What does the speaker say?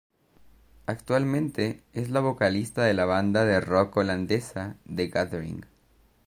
Actualmente es la vocalista de la banda de rock holandesa The Gathering.